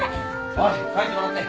おい帰ってもらって。